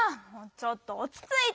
ちょっとおちついてよ！